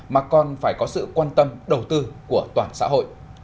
mà còn phải có sự quan tâm đầu tư của toàn xã hội